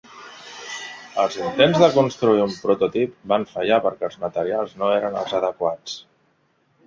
Els intents de construir un prototip van fallar perquè els materials no eren els adequats.